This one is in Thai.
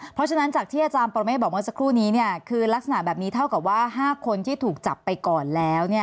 เพราะฉะนั้นจากที่อาจารย์ปรเมฆบอกเมื่อสักครู่นี้คือลักษณะแบบนี้เท่ากับว่า๕คนที่ถูกจับไปก่อนแล้ว